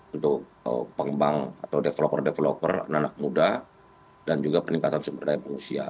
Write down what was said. untuk pengembang atau developer developer anak anak muda dan juga peningkatan sumber daya manusia